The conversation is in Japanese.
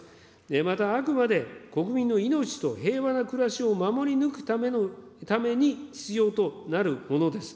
また、あくまで国民の命と平和な暮らしを守り抜くために必要となるものです。